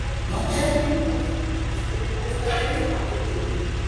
Consiste en tres especies nativas de Nueva Guinea y Borneo.